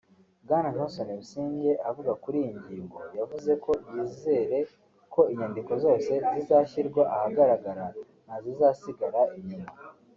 Bwana Johnston Busingye avuga kuri iyi ngingo yavuze ko yizere ko inyandiko zose zizashyirwa ahagaragara ntazizasigara inyuma